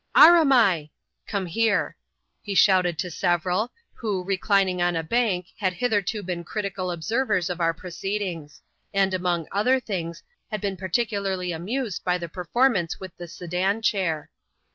" Aramai !(come here) he shouted to several, who, reclining on a bank, had hitherto been critical observers of our proceedings ; and, among other things, had been particularly amused by the performance with the sedan chair.